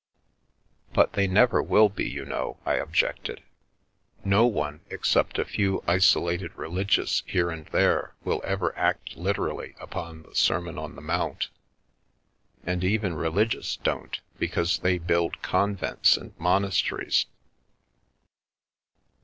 "But they never will be, you know/* I objected. " No one, except a few isolated religious here and there, will ever act literally upon the Sermon on the Mount. And even religious don't, because they build convents and monasteries."